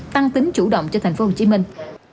tăng tính chủ động cho thành phố hồ chí minh